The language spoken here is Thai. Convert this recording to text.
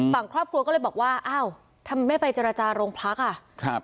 บางครอบครัวก็เลยบอกว่าเอ้าทำไมไม่ไปเจรจาโรงพลักษณ์อ่ะ